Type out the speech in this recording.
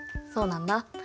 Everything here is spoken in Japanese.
そうなんだ。